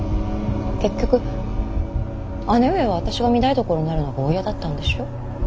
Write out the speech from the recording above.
結局姉上は私が御台所になるのがお嫌だったんでしょう。